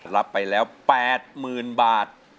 รับไปแล้ว๘๐๐๐บาท